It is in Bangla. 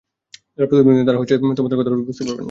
যারা প্রতিবন্ধী নন, তারা হয়তো আমাদের কষ্ট ততটা বুঝতে পারেন না।